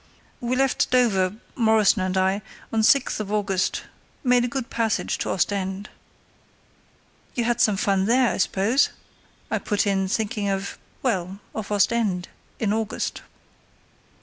We left Dover—Morrison and I—on the 6th of August; made a good passage to Ostend." "You had some fun there, I suppose?" I put in, thinking of—well, of Ostend in August.